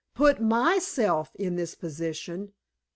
"Put MYSELF in this position!"